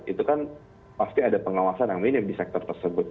itu kan pasti ada pengawasan yang minim di sektor tersebut